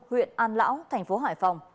huyện an lão tp hải phòng